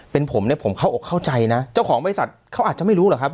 เป็นผมเนี่ยผมเข้าอกเข้าใจนะเจ้าของบริษัทเขาอาจจะไม่รู้หรอกครับ